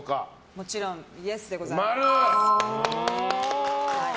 もちろんイエスでございます。